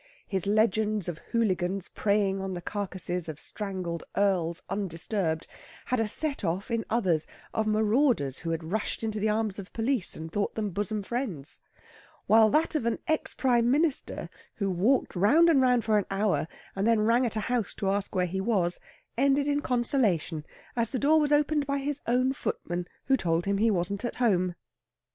His legends of hooligans preying on the carcasses of strangled earls undisturbed had a set off in others of marauders who had rushed into the arms of the police and thought them bosom friends; while that of an ex Prime Minister who walked round and round for an hour, and then rang at a house to ask where he was, ended in consolation, as the door was opened by his own footman, who told him he wasn't at home.